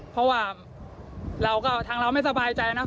เพราะว่าเราก็ทางเราไม่สบายใจนะ